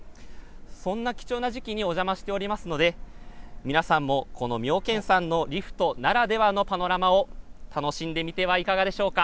そんな貴重な時期にお邪魔しておりますので皆さんも、この妙見山のリフトならではのパノラマを楽しんでみてはいかがでしょうか。